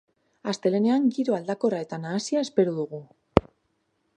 Astelehenean giro aldakorra eta nahasia espero dugu.